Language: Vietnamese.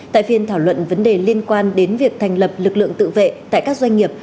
tại phiên thảo luận vấn đề liên quan đến việc thành lập lực lượng tự vệ tại các doanh nghiệp